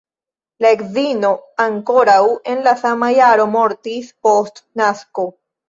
La edzino ankoraŭ en la sama jaro mortis, post nasko.